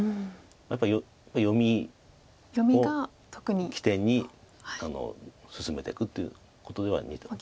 やっぱり読みを基点に進めていくっていうことでは似てる。